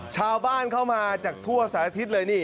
ชาวบ้านเข้ามาจากทั่วสถานทิศเลยนี่